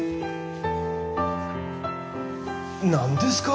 何ですか！